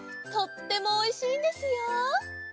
とってもおいしいんですよ。